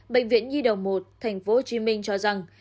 bệnh viện nhi đồng một tp hcm cho rằng